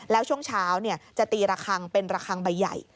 แล้วช่วงเช้าจะตีระคังเป็นระคังใบใหญ่